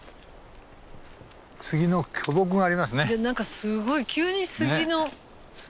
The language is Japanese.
何かすごい急に杉の。